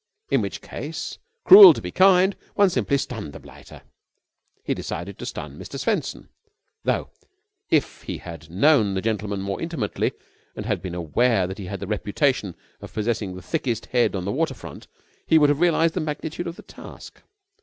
In which case, cruel to be kind, one simply stunned the blighter. He decided to stun Mr. Swenson, though, if he had known that gentleman more intimately and had been aware that he had the reputation of possessing the thickest head on the water front he would have realised the magnitude of the task.